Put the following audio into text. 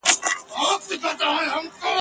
نن به څه خورې سړه ورځ پر تېرېدو ده !.